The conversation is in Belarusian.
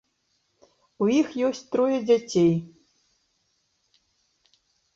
У іх ёсць трое дзяцей.